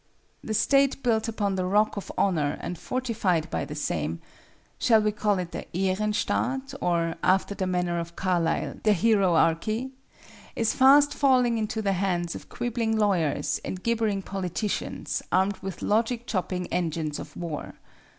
The state built upon the rock of Honor and fortified by the same—shall we call it the Ehrenstaat or, after the manner of Carlyle, the Heroarchy?—is fast falling into the hands of quibbling lawyers and gibbering politicians armed with logic chopping engines of war.